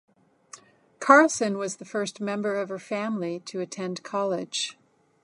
Carlson was the first member of her family to attend college.